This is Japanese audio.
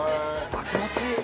気持ちいい。